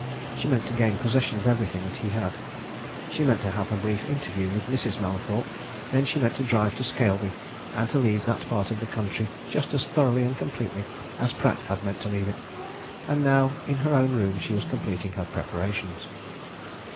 She meant to gain possession of everything that he had; she meant to have a brief interview with Mrs. Mallathorpe; then she meant to drive to Scaleby and to leave that part of the country just as thoroughly and completely as Pratt had meant to leave it. And now in her own room she was completing her preparations.